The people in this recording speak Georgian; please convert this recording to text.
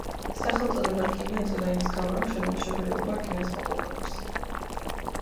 სახელწოდება „რკინა“ ეწოდა იმის გამო, რომ შენობის შეფერილობა რკინას მოგვაგონებს.